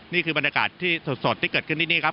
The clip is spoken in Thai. นี่คือบรรยากาศที่สดที่เกิดขึ้นที่นี่ครับ